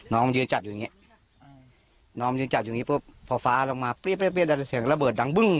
น้องมันยืนจัดอยู่อย่างเงี้ยน้องยืนจัดอยู่อย่างงี้ปุ๊บพอฟ้าลงมาเปรี้ยเสียงระเบิดดังบึ้ง